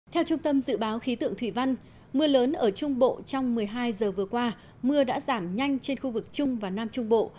theo trung tâm dự báo khí tượng thủy văn mưa lớn ở trung bộ trong một mươi hai giờ vừa qua mưa đã giảm nhanh trên khu vực trung và nam trung bộ